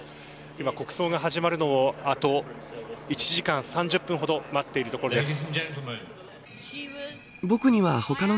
今、国葬が始まるのをあと１時間３０分ほど待っているところです。